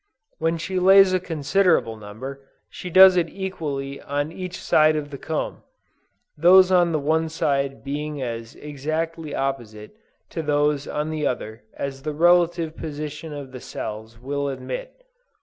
When she lays a considerable number, she does it equally on each side of the comb, those on the one side being as exactly opposite to those on the other as the relative position of the cells will admit.